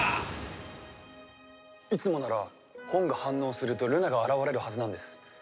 いつもなら本が反応するとルナが現れるはずなんです。